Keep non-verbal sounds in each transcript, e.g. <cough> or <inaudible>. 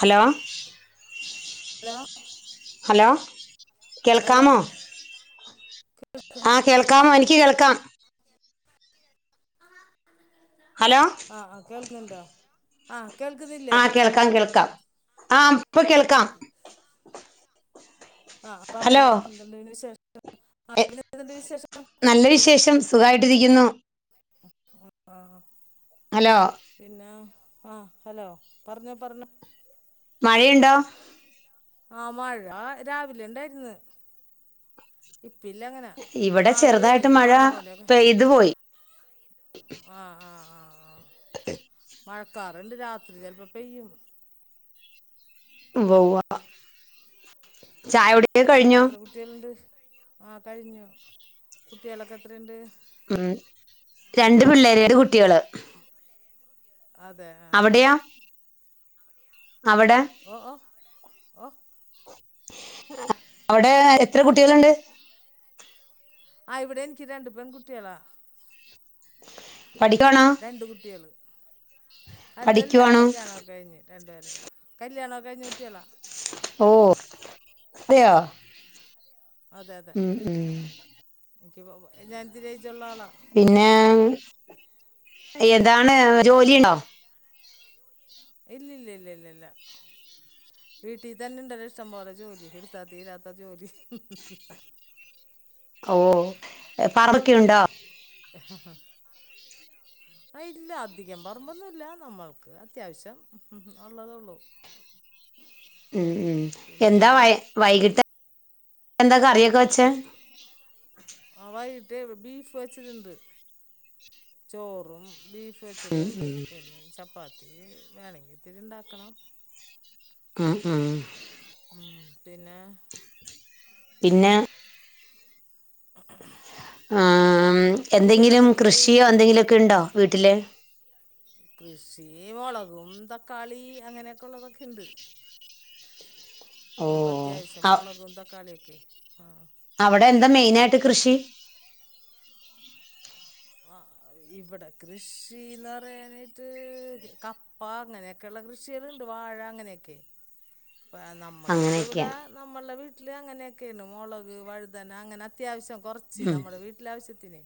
Hello? ലോ. Hello hello കേൾക്കാമോ ആഹ് കേൾക്കാമോ എനിക്ക് കേൾക്കാം ഹലോ ആഹ് അഹ് കേൾക്കുന്നുണ്ടാ അഹ് ആഹ് കേൾക്കാം കേൾക്കാം ആഹ് ഇപ്പ കേൾക്കാം ആഹ് ഹലോ പർഞ്ഞോ എന്ത ഇണ്ട് ന്നെ വിശേഷം അഹ് എ, പിന്നെന്തുണ്ട് വിശേഷം നല്ല വിശേഷം സുഖായിട്ടിരിക്കുന്നു ആ ഹലോ പിന്നെ ആ ഹലോ പറഞ്ഞോ പറഞ്ഞോ മഴയുണ്ടോ ആ മഴ രാവിലെ ഇണ്ടായിരുന്നു ഇപ്പില്ല അങ്ങനെ അങ്ങനെ ഇവിടെ ആ ഒര് ചെറുതായിട്ട് മഴ പന്ത്രണ്ട് മണിവരെ പെയ്തു പോയി ആ ആ ആ <unintelligible> മഴക്കാറ് ഇണ്ട് രാത്രി ചെലപ്പ പെയ്യും ഉവ്വ ഉവ്വ ചായ കുടി എത്ര കുട്ടികളുണ്ട് ആ കഴിഞ്ഞു കുട്ടികളൊക്കെ എത്രയിണ്ട് ഉം രണ്ട് പിള്ളേര് രണ്ട് കുട്ടികള് അതെ ആ ആ അവിടെയാ അവിടെ? ഓ ഓ ഓ അവിടെ എത്ര കുട്ടികളുണ്ട്? ആ ഇവിടെ എനിക്ക് രണ്ടു പെൺ കുട്ടികളാ. പഠിക്കുവാണോ രണ്ട് കുട്ടികള്. അല്ലല്ല പഠിക്കുവാണോ കല്യാണം ഒക്കെ കഴിഞ്ഞ്. രണ്ട് പേര് കല്യാണമൊക്കെ കഴിഞ്ഞ കുട്ടികളാ. ഓ അതെയോ അതെ അതെ ഉം ഉം എനിക്ക് ഉവ്വ ഉവ്വ ഞാൻ ഇച്ചിരി പിന്നെ എതാണ് ജോലിയുണ്ടോ ഇല്ലല്ല ഇല്ല ഇല്ല ഇല്ല ഇല്ല വീട്ടിതന്നെ ഇണ്ടല്ലോ ഇഷ്ടംപോലെ ജോലി എടുത്ത തീരാത്ത ജോലി ഓ പറമ്പൊക്കെ ഉണ്ടോ? ആ ഇല്ല അധികം പറമ്പോന്നുല്ല നമ്മൾക്ക് അത്യാവശ്യം ഒള്ളതൊള്ളു. ഉം ഉം എന്താ വ വൈകിട്ട് എന്താ കറി കുട്ടി ആ വൈ ട്ട് ഇവ ബീഫ് വെച്ചതിണ്ട് ചോറും ബീഫ് വെച്ചതുമുണ്ട് പിന്നെ ചപ്പാത്തി ഇത്തിരി വേണെങ്കി ഇത്തിരി ഇണ്ടാക്കണം ഉം ഉം പിന്നെ പിന്നെ ആ എന്തെങ്കിലും കുട്ടികളൊക്കെ എത്രയായി കൃഷിയോ എന്തെങ്കിലുമൊക്കെ ഉണ്ടോ? വീട്ടില് <unintelligible> ഈ മുളകും തക്കാളി അങ്ങനെയൊക്കെ ഉള്ളതൊക്കെ ഉണ്ട് ഓ നമുക്ക് അത്യാവശ്യം അവ മുളകും, തക്കാളിയൊക്കെ ആ അവിടെ എന്താ മെയിനായിട്ട് കൃഷി ആ ഇവിടെ കൃഷിന്ന് പറയാനായിട്ട് കപ്പ അങ്ങനെയൊക്കെയള്ള കൃഷികളുണ്ട് വാഴ അങ്ങനെയൊക്കെ. നമ്മുക്കിപ്പ അങ്ങനെയൊക്കെയാ ഇവിടെ നമ്മളുടെ വീ വീട്ടില് അങ്ങനെയൊക്കെയണ് മുളക്, വഴുതന, അങ്ങനെ അത്യാവശ്യം. കുറച്ച് ഉം നമ്മുടെ വീട്ടിലെ ആവശ്യത്തിന്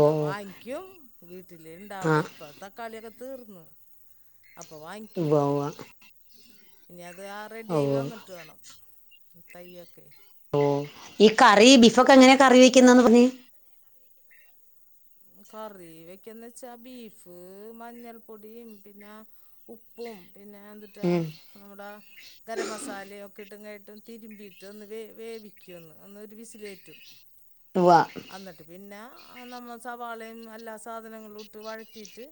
ഓ വാങ്ങിക്കും വീട്ടിൽ ആ ഇണ്ടാവണ ഇപ്പൊ തക്കാളിയൊക്കെ തീർന്ന് അപ്പൊ ഉവ്വ വാങ്ങിക്കും ഉവ്വ ഞാൻ അത് ഓ റെഡിയായി വന്നിട്ട് വേണം തൈയെക്കെ ഓ ഈ കറി ബിഫൊക്കെ എങ്ങനെയാ ഉം കറി വെക്കുന്നന്ന് പറഞ്ഞ കറി വെക്കന്ന് വെച്ചാ ബീഫ് മഞ്ഞൾപ്പൊടിയും പിന്നെ ഉപ്പും പിന്നെ എന്തിട്ടാ ഉം നമ്മുടെ ഗരം മസാലയെക്കെഇട്ട് ഇങ്ങട്ട് തിരുമ്പിയിട്ട് ഒന്ന് വേ വേവിക്കും ഒന്ന് ഒരു വിസിലേറ്റും ഉവ്വ അന്നട്ട് പിന്നെ ആ നമ്മ സവാളയും, എല്ലാ സാധനങ്ങളും ഇട്ട് വഴറ്റിയിട്ട്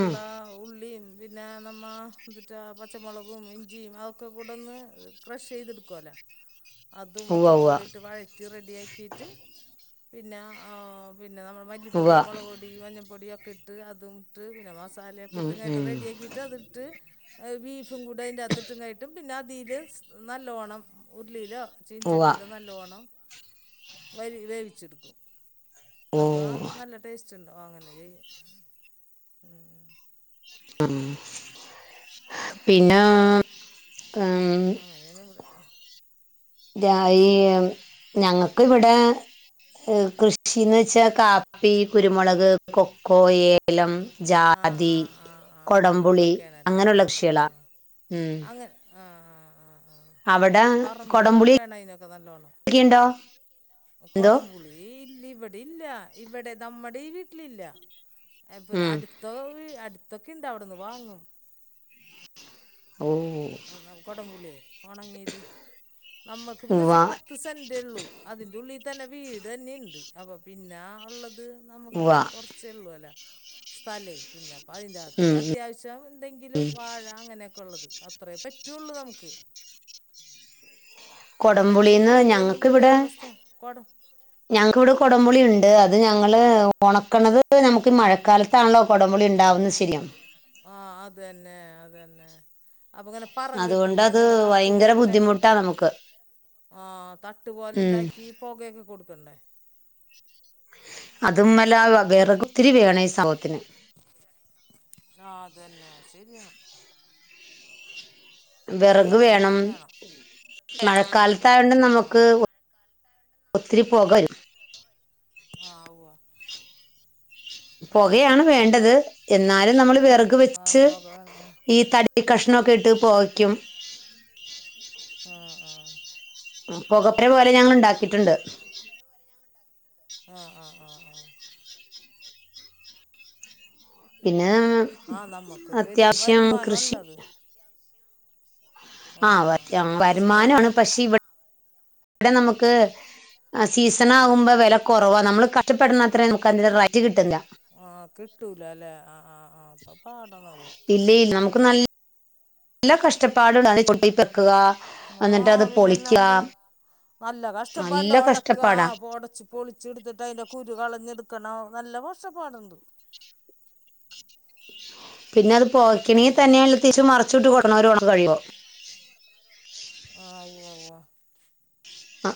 ഉം ഉള്ളിയും പിന്നെ നമ്മ എന്തിട്ട പച്ചമുളകും, ഇഞ്ചിയും അതൊക്കെ കൂടൊന്ന് ക്രഷ് ചെയ്തെടുക്കുവല്ലോ? ഉവ്വ അതുമൊക്കെ ഉവ്വ കൂടെയിട്ട് വഴറ്റി റെഡിയാക്കിയിട്ട് പിന്നെ ആ പി പിന്നെ നമ്മുടെ ഉവ്വ മല്ലിപ്പൊടി മുളകു പൊടി മഞ്ഞൾപ്പൊടിയൊ കഇട്ട്അതും ഇട്ട് പിന്നെ മസ മസാലയൊക്കെ ഉം ഇങ്ങനിട്ട് ഉം റെഡിയാക്കിട്ട് അത് ഇട്ട് ബീഫും കൂടെ അതിന്റെ അകത്തിട്ടും കയിട്ടും പിന്നെ അതീൽ നല്ലോണം ഉരുളിയിലോ ഉവ്വ ചീനിചട്ടിയില് നല്ലോണം അരി വേവിച്ചെടുക്കും ഓ അപ്പ നല്ല ടേസ്റ്റ് ടേസ്റ്റുണ്ടാവും അങ്ങനെ ചെയ്യും പിന്നാ <unintelligible> അങ്ങനെയാണ് ഇവിടെ ഈ ഞങ്ങക്ക് ഇവിടെ കൃഷിന്ന്ച്ചാ കാപ്പി കുരുമുളക് കൊക്കോ ഏലം ആ ആ ജാതി ആ ആ ആ കൊടംപുളി അതൊക്കെയാണല്ലേ അങ്ങനെയുള്ള ആ ആ കൃഷിളാ ആ ഉം അങ്ങനെ ആ ആ അവിടെ ആ പറമ്പ് കൊടംപുളി വേണാ അയ്നൊക്കെ നല്ലോണം ഒക്കെയുണ്ടോ എന്തോ കൊടംപുളി ഇല്ല ഇവടെ ഇല്യ ഇവടെ നമ്മ ഇടെ ഈ വീട്ടിലില്ലാ എവി ഉം അട്ത്ത് ടുത്ത് അടുത്തൊക്കിണ്ട് അവിടെന്ന് വാങ്ങും <inaudible> ഓ ഒണങ്ങിത് നമ്മൾക്ക് ഉവ്വ പിന്നെച്ചാ പത്ത് സെന്റ്ള്ളൂ അതിന്റെ ഉള്ളി തന്നെ വീ തന്നെണ്ട് അപ്പൊ പിന്നാ ഒള്ള ത് നമുക്ക് ഉവ്വ കുറച്ചേള്ളൂ ല്ലാ സ്ഥലേ പിന്നാ അപ്പോ അതിന്റാത്ത് ഉം അത്യാവശ്യം എന്തെങ്കിലും വാഴ അങ്ങനെക്കെള്ളത് അത്രേ പ റ്റുള്ളൂ നമുക്ക് അല്ലാണ്ട് കൊടംപുളിന്ന് പുളിയൊന്നും ഞങ്ങക്കിവടെ വെക്കാനുള്ള സ്ഥലം കുടം ഞങ്ങക്ക്‌വിടെ കൊടംപുളിണ്ട് അത് ഞങ്ങള് ഒണക്കണത് നമുക്ക് മഴക്കാലത്താണല്ലോ കൊടംപുളി ഇണ്ടാവുന്നത് ശരികം ആ അതെന്നെ അതെന്നെ അപ്പ ഇങ്ങനെ പറം കെട്ടൂല്ലേ അതുകൊണ്ടത് ഇങ്ങനെ ഭയങ്കര തട്ട്പോലെ ബുദ്ധിമുട്ടാ ഇണ്ടാക്കീട്ട് നമുക്ക് ആ തട്ട്പോലെ ഉം ഇണ്ടാക്കി പൊകയൊക്കെ കൊടുക്കണ്ടേ അതുംമല വെറകൊത്തിരി വേണം ഈ സംഭവത്തിന് ആ അതെന്നെ ശരിയാണ് വെറക് വിറക് വേണം ഒത്തിരി മഴക്കാലത്തായോണ്ട് നമുക്ക് ആഹ് ഒത്തിരി പൊക വരും. ആ ഉവ്വാ പൊകയാണ് വേണ്ടത്. എന്നാലും നമ്മള് വിറക് അത് വെച്ച് പൊക വേണം ഈ തടി കഷ്ണൊക്കെ ഇ ഇട്ടു പൊകയ്ക്കും. ആ ആ മ് പൊകപ്പര പോലെ ഞങ്ങ ഇണ്ടാക്കിട്ടുണ്ട്. ങ ആ ആ ആ പിന്നെ ആ നമ്മുക്കൊരു വരു അത്യാവശ്യം കൃഷി വരുമാനാള്ളത്. ആ <unintelligible> കൃഷി വരുമാനാണ് നെല്ലാ പക്ഷെ ഇവ ഇവടെ നമുക്ക് ആ സീസൺ ആകുമ്പോ വെല കൊറവാ നമ്മള് കഷ്ടപ്പെടണത്രേന്നെ നമക്ക് റൈയിറ്റ് കിട്ടില്ലാ. ആ കിട്ടൂലാല്ലേ ആ ആ ആ അപ്പം പാടെണത്. ഇല്ല ഇല്ല നമുക്ക് നല്ല കഷ്ടപ്പാട് ഉണ്ടായികൊണ്ടിരിക്കുവാ ആ പിന്നെല്ലാണ്ട് നല്ല നല്ല കഷ്ടപ്പാണ്ട് ഒടെക്ക്യാ ആ കഷ്ടപ്പാടാ ഒടച്ച് പൊളിച്ച് എടുത്തിട്ട് അയിന്റെ കുരു കളഞ്ഞെടുത്ത്- ക്കാണോ നല്ല കഷ്ടപ്പാടെണ്ട് പിന്നാ അത് പോകാക്കനെ തന്നെ അത്‌ തിരിച്ചും മറിച്ചും <unintelligible> ആ ഉവ്വാ ഉവ്വാ ആ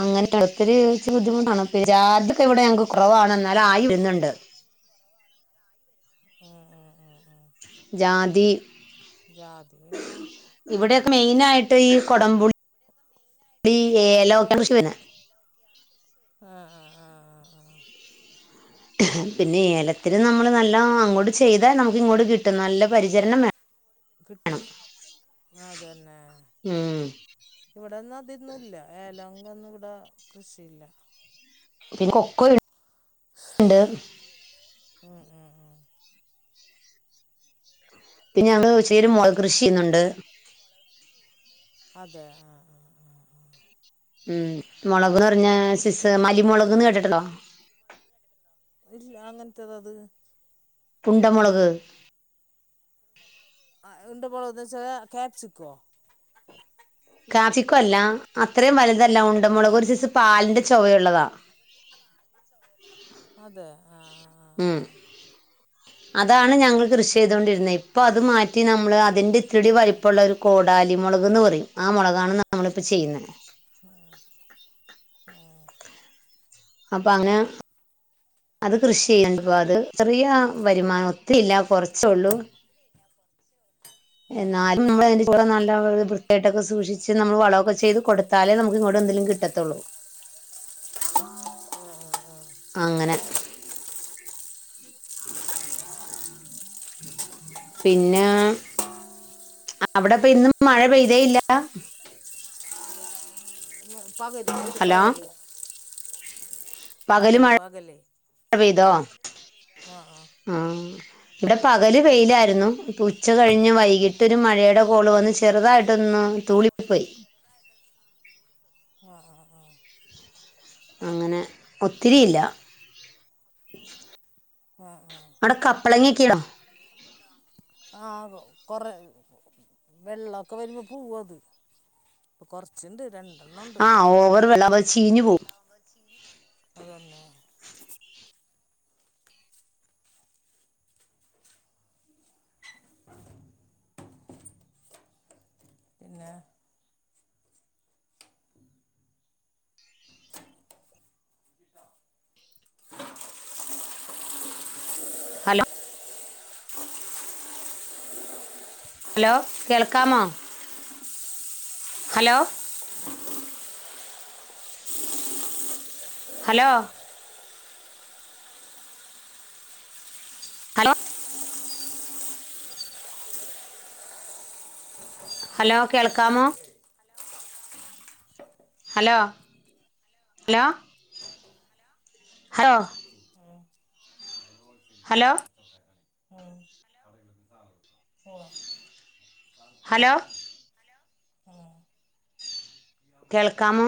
അങ്ങനെ <unintelligible> ഇച്ചിരി ബുദ്ധിമുട്ടാണ് ജാതിക്ക ഇവിടെ ഞങ്ങക്ക് കൊ കൊറവാണെന്നാലും ആയി വരുന്നുണ്ട് ഉം ഉം ഉം ഉം ജാതി- ജാതി പിന്നെ ഇവിടെയൊക്കെ മെയിനായിട്ട് ഈ കൊടംപുളി ഏലം <unintelligible> ആ ആ ആ ആ പിന്നെ ഏലത്തിന് നമ്മള് നല്ലാ അങ്ങോട്ട് ചെയ്താൽ നമുക്ക് ഇങ്ങോട്ട് കിട്ടും നല്ലാ പരിചരണം വേണം കിട്ടും അതെന്നെ ഉം ഇവടന്നും അതൊന്നും ഇല്ല ഏലം- അതൊന്നും ഇവടെ കൃഷിയില്ല പിന്നെ കൊക്കൊണ്ട് ഉം ഉം ഉം പിന്നെ ഞങ്ങള് <unintelligible> കൃഷി ചെയ്യുന്നുണ്ട് അതെ ആ ആ ആ ആ ഉം മൊളക് എന്ന് പറഞ്ഞാ ഒരു സൈസ് മല്ലി മൊളക് എന്ന് കേട്ടിട്ടോണ്ടോ ഇല്ല എങ്ങനത്തേതാ അത് ഉണ്ടമൊളക് ആ ഉണ്ട മൊളകെന്ന് വെച്ചാല് ക്യാപ്സിക്കോ ക്യാപിസ്ക്കം അല്ല അത്രയും വലുതല്ല ഉണ്ട മൊളക് ഒരു സൈസ് പാലിന്റെ ചൊവയുള്ളതാ അതെ ആ ഉം അതാണ് ഞങ്ങള് കൃഷി ചെയ്തോണ്ടിരുന്നത് ഇപ്പം അത് മാറ്റി നമ്മള് അതിന്റെ ഇത്തിരിയൂടെ വലിപ്പമുള്ള ഒരു കോടാലി മൊളകെന്ന് പറയും ആ മൊളകാണ് നമ്മളിപ്പോ ചെയ്യുന്നേ അപ്പം അങ്ങനെ അത് കൃഷി ചെയ്യുന്നുണ്ടെപ്പോയത് ചെറിയ വരുമാനം ഒത്തിരി ഇല്ല കൊറേ ച്ചൊള്ളു ആ ആ ആ എന്നാലും നമ്മള് <unintelligible> <unintelligible> സൂക്ഷിച്ച് നമ്മള് വളെക്കെ ചെയ്ത് കൊടുത്താലേ നമ്മക്ക് ഇങ്ങോട്ട് എന്തേലും കിട്ടത്തെള്ളൂ <inaudible> അങ്ങനെ പിന്നാ അവടെപ്പം ഇന്നും മഴ പെയ്തേയില്ല്യാ <inaudible> ഹലോ <unintelligible> പകല് മഴ മഴ പെയ്തോ ആ ആ ആാ ഇവിടെ പകല് വെയിലായിരുന്നു ഇപ്പ ഉച്ച കഴിഞ്ഞ് വൈകിട്ടൊരു മഴയുടെ കോള് വന്ന് ചെറുതായിട്ടൊന്ന് തൂളി പോയി ആ ആ ആ അങ്ങനെ ഒത്തിരിയില്ല ആ അവിടെ കപ്പളങ്ങി കീട ആ കുറെ വെള്ളമൊക്കെ വരുമ്പോൾ പൂവത് അപ്പ കുറച്ചുണ്ട് രണ്ട് ആഹ് ഓവർ ചീഞ്ഞു പോവും അതുതന്നെ പിന്നെ ഹലോ ഹലോ കേൾക്കാമോ ഹലോ ഹലോ ഹലോ ഹലോ കേൾക്കാമോ hello hello hello <inaudible> hello hello hello കേൾക്കാമോ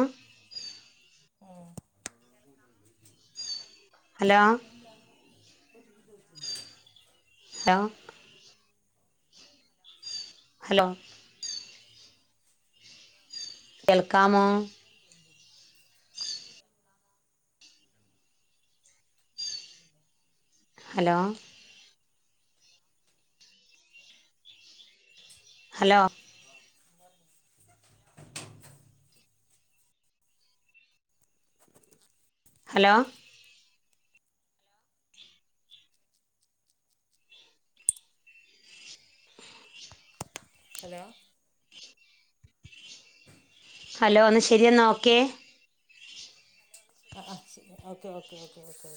ഹലോ <inaudible> ഹലോ ഹലോ കേൾക്കാമോ hello hello hello hello hello ഒന്ന് ശെരിയാന്ന്നോക്കേ ആ ശരി ഓക്കെ ഓക്കെ ഓക്കേ